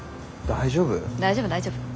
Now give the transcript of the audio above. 大丈夫大丈夫。